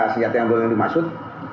senjata yang belum dimaksud